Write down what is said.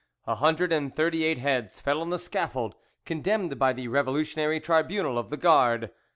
A hundred and thirty eight heads fell on the scaffold, condemned by the revolutionary tribunal of the Gard.